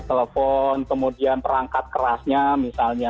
telepon kemudian perangkat kerasnya misalnya